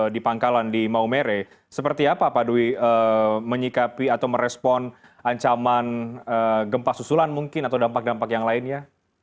di pangkalan di maumere seperti apa pak dwi menyikapi atau merespon ancaman gempa susulan mungkin atau dampak dampak yang lainnya